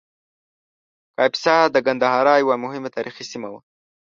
کاپیسا د ګندهارا یوه مهمه تاریخي سیمه وه